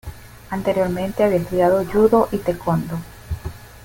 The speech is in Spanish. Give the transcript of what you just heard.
Anteriormente había estudiado Judo y Taekwondo.